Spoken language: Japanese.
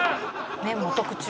「麺も特注」